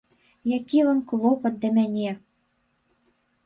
Які вам клопат да мяне!